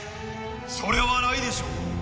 それはないでしょう。